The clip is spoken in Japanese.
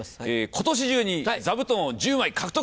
今年中に座布団を１０枚獲得する！